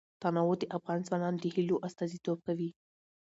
تنوع د افغان ځوانانو د هیلو استازیتوب کوي.